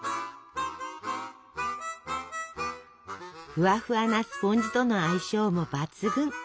ふわふわなスポンジとの相性も抜群。